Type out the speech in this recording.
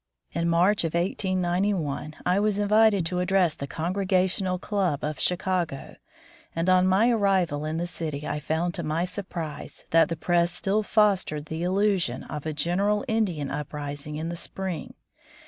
In March of 1891 I was invited to address the Congregational Club of Chicago, and on my arrival in the city I found to my sur prise that the press still fostered the illusion of a general Indian uprising in the spring.